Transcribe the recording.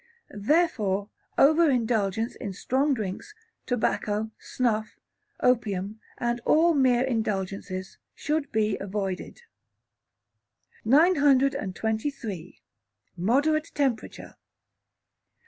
Therefore, over indulgence in strong drinks, tobacco, snuff, opium, and all mere indulgences, should be avoided. 923. Moderate Temperature.